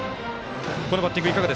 このバッティング